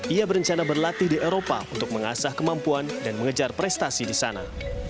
ia berencana berlatih di eropa untuk mengasah kemampuan dan mengejar prestasi di sana